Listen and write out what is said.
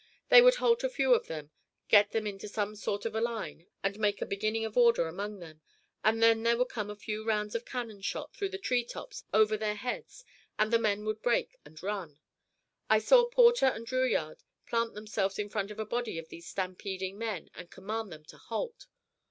They would halt a few of them, get them into some sort of a line, and make a beginning of order among them, and then there would come a few rounds of cannon shot through the tree tops over their heads and the men would break and run. I saw Porter and Drouillard plant themselves in front of a body of these stampeding men and command them to halt.